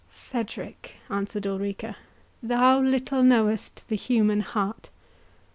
"Cedric," answered Ulrica, "thou little knowest the human heart.